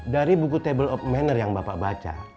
dari buku table of manner yang bapak baca